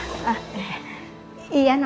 nah sumpah bukdonald efeknya giuk juga